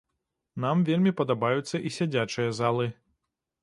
Нам вельмі падабаюцца і сядзячыя залы.